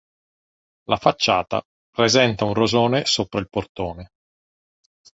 La facciata presenta un rosone sopra il portone.